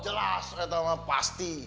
jelas saya tau sama pasti